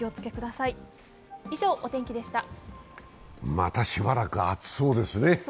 またしばらく暑そうですね。